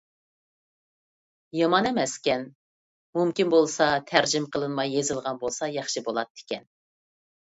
يامان ئەمەسكەن. مۇمكىن بولسا تەرجىمە قىلىنماي يېزىلغان بولسا ياخشى بولاتتىكەن.